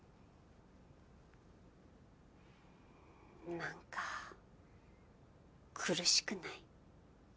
なんか苦しくない？